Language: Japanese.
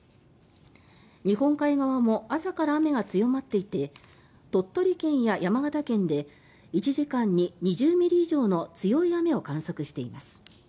日本海側も朝から雨が強まっていて鳥取県や山形県で１時間に２０ミリ以上の強い雨を観測しています。